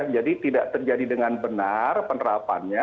jadi tidak terjadi dengan benar penerapannya